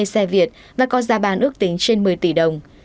với mê xe việt và có giá bán ước tính trên một mươi tỷ đồng